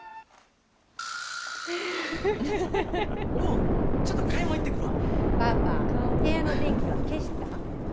おっ、ちょっと買い物行ってくるわ。